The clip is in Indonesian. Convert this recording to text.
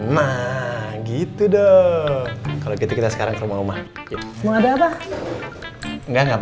nah gitu dong kalau gitu kita sekarang rumah rumah mau ada apa enggak nggak